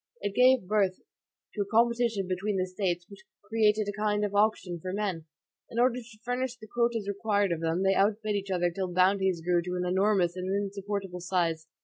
It gave birth to a competition between the States which created a kind of auction for men. In order to furnish the quotas required of them, they outbid each other till bounties grew to an enormous and insupportable size.